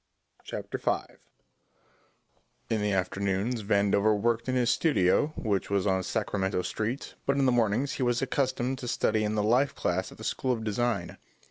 Chapter Five In the afternoons Vandover worked in his studio, which was on Sacramento Street, but in the mornings he was accustomed to study in the life class at the School of Design.